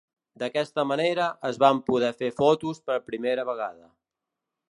D'aquesta manera, es van poder fer fotos per primera vegada.